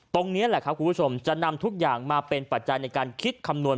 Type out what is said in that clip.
ตรงนี้แหละครับคุณผู้ชมจะนำทุกอย่างมาเป็นปัจจัยในการคิดคำนวณ